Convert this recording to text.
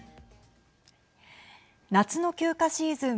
夏の休暇シーズン